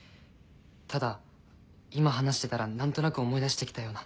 ただ今話してたら何となく思い出して来たような。